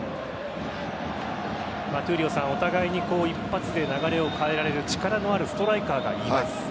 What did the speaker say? お互いに一発で流れを変えられる力のあるストライカーがいます。